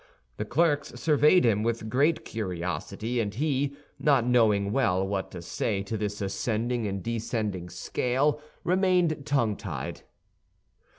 The clerks surveyed him with great curiosity, and he, not knowing well what to say to this ascending and descending scale, remained tongue tied.